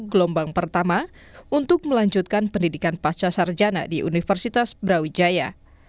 gelombang pertama untuk melanjutkan pendidikan pasca sarjana di universitas brawijaya